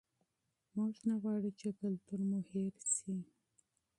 موږ نه غواړو چې کلتور مو هېر شي.